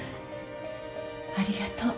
ありがとう。